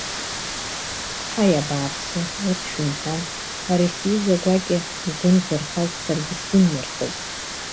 Ҳаи, абааԥсы, ус шәымҳәан, ари сҩыза гәакьа агәы нзырхаз, саргьы сгәы нирхеит.